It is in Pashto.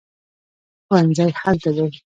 ښوونځی هلته دی